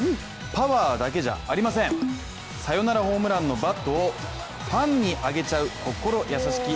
パワーだけじゃありませんサヨナラホームランのバットをファンにあげちゃう心優しき